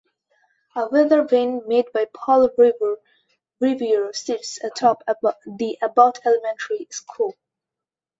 A weather vane made by Paul Revere sits atop the Abbot Elementary school.